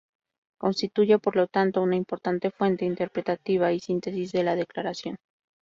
Constituye, por lo tanto, una importante fuente interpretativa y síntesis de la Declaración.